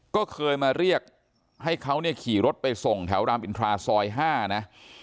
ก็เคยมาเรียกให้เขาเนี่ยขี่รถไปส่งแถวรามอินทราซอย๕นะ